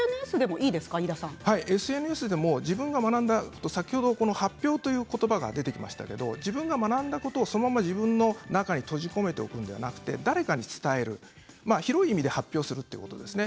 ＳＮＳでも先ほど発表という言葉がありましたけれども自分が学んだことをそのまま自分の中に閉じ込めておくのではなく誰かに伝える、広い意味で発表するということですね。